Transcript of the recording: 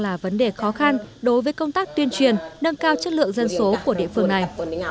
là vấn đề khó khăn đối với công tác tuyên truyền nâng cao chất lượng dân số của địa phương này